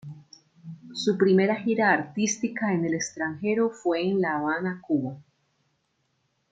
Su primera gira artística en el extranjero fue en La Habana, Cuba.